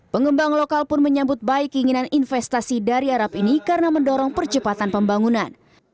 pengembang lokal pun menyambut baik keinginan investasi dari arab ini karena mendorong percepatan pembangunan